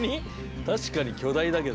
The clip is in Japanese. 確かに巨大だけど。